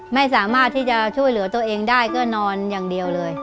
ไม่สามารถที่จะช่วยเหลือตัวเองได้ก็นอนอย่างเดียวเลย